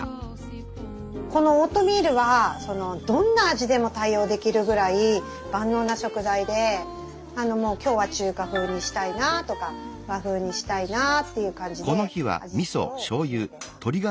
このオートミールはどんな味でも対応できるぐらい万能な食材で今日は中華風にしたいなとか和風にしたいなっていう感じで味付けを決めてます。